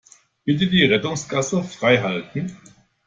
Bitte die Rettungsgasse freihalten.